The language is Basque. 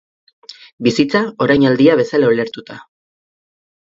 Bizitza, orainaldia bezala ulertuta.